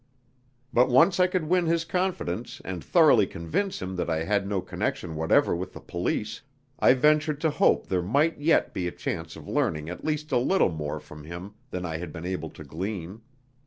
But once I could win his confidence and thoroughly convince him that I had no connection whatever with the police, I ventured to hope there might yet be a chance of learning at least a little more from him than I had been able to glean.